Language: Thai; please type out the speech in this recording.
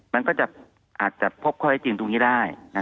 มันก็อาจจะพบคอยจริงตรงนี้ได้